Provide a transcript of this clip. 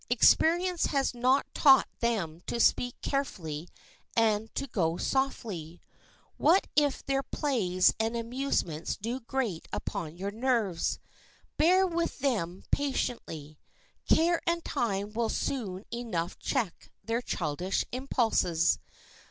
Experience has not taught them to speak carefully and to go softly. What if their plays and amusements do grate upon your nerves. Bear with them patiently. Care and time will soon enough check their childish impulses.